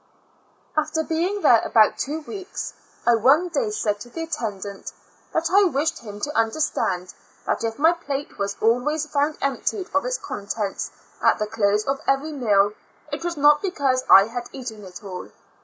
After being there about two weeks, I one day said to the attendant, that I wished him to understand that if my plate was always found emptied of its contents, at the close of every meal, it was not because I had ^ten it all.